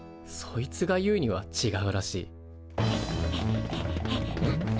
そいつが言うにはちがうらしい。